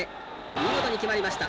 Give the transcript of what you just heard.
見事に決まりました。